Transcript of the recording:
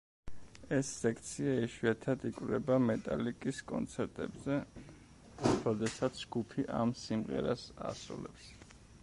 ეს სექცია იშვიათად იკვრება მეტალიკის კონცერტებზე, როდესაც ჯგუფი ამ სიმღერას ასრულებს.